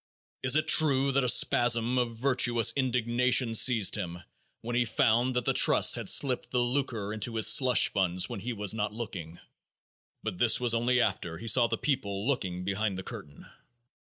It is true that a spasm of virtuous indignation seized him when he found that the trusts had slipped the lucre into his slush funds when he was not looking, but this was only after he saw the people looking behind the curtain.